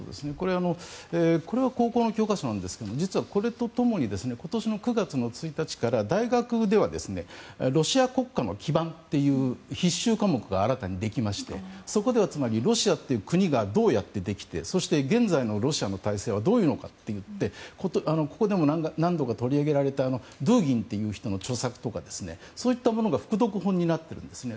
これは高校の教科書なんですけども実は、これと共に今年の９月１日から大学ではロシア国家の基盤という必修科目が新たにできましてそこではロシアという国がどうやってできてそして現在のロシアの体制はどういうのかといってここでも何度か取り上げられたドゥーギンという人の著作とかが副読本になっているんですね。